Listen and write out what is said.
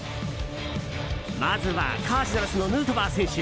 まずは、カージナルスのヌートバー選手。